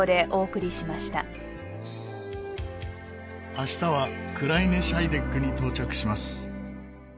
明日はクライネ・シャイデックに到着します。